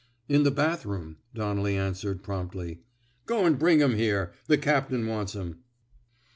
In the bathroom," Donnelly answered, promptly. Go 'n bring 'm here. The captain wants him."